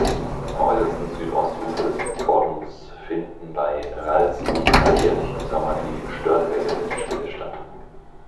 Am äußersten Südostufer des Boddens finden bei Ralswiek alljährlich im Sommer die Störtebeker-Festspiele statt.